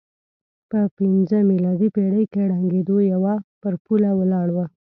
په پځمه میلادي پېړۍ کې ړنګېدو پر پوله ولاړ و.